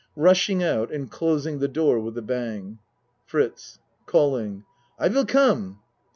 (Rushing out and closing the door with a bang.) FRITZ (Calling.) I will come.